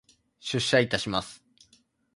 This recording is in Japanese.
出社いたします。